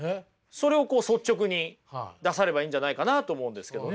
それをこう率直に出さればいいんじゃないかなと思うんですけどね。